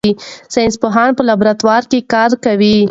ساینس پوهان په لابراتوار کې کار کوي.